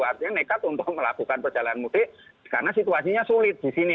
artinya nekat untuk melakukan perjalanan mudik karena situasinya sulit di sini